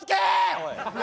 おい！